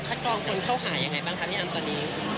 กรองคนเข้าหายังไงบ้างคะพี่อ้ำตอนนี้